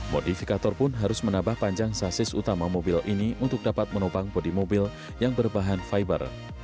modifikator pun harus menambah panjang sasis utama mobil ini untuk dapat menopang bodi mobil yang berbahan fiber